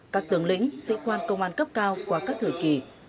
các tướng lĩnh sĩ quan công an cấp cao qua các thời kỳ